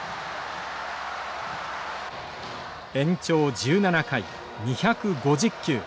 延長１７回２５０球。